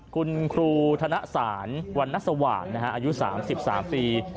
คุณครูธนสารวรรณสว่างอายุ๓๓ปี